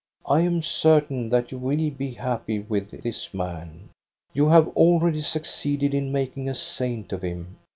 * I am certain that you will.be happy with this man. You have already succeeded in mak ing a saint of him.